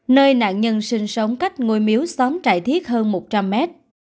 nơi nạn nhân sinh sống cách ngôi miếu xóm trại thiết hơn một trăm linh mét